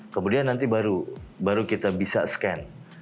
kemudian nanti baru kita bisa scan